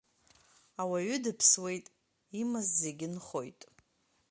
Ауаҩы дыԥсуеит, имаз зегьы нхоит.